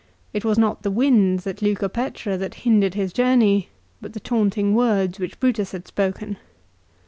It was not the winds at Leucopetra that hindered his journey, but the taunting words which Brutus had spoken.